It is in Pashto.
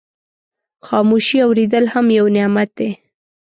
خاموشي اورېدل هم یو نعمت دی.